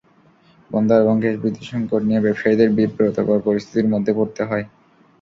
বন্দর এবং গ্যাস-বিদ্যুৎ সংকট নিয়ে ব্যবসায়ীদের বিব্রতকর পরিস্থিতির মধ্যে পড়তে হয়।